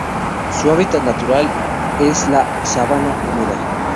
Su hábitat natural es: la sabana húmeda.